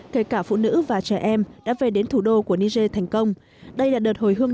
kể cả phụ nữ và trẻ em đã về đến thủ đô của niger thành công đây là đợt hồi hương